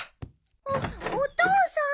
おっお父さん。